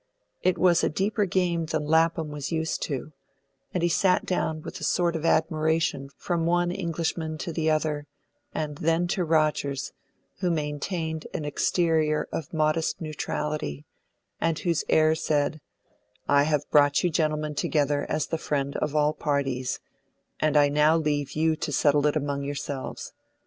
It was a deeper game than Lapham was used to, and he sat looking with a sort of admiration from one Englishman to the other, and then to Rogers, who maintained an exterior of modest neutrality, and whose air said, "I have brought you gentlemen together as the friend of all parties, and I now leave you to settle it among yourselves.